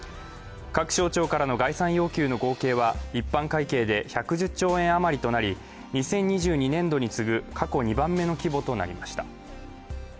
各省庁からの概算要求の合計は一般会計で１１０兆円余りとなり２０２２年度に次ぐ過去２番目の規模となりました。